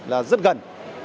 là rất gần